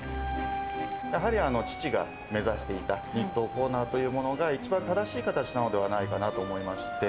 やはり父が目指していた、日東コーナーというものが、一番正しい形なのではないかなと思いまして。